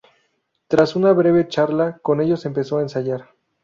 Tras una breve charla con ellos empezó a ensayar.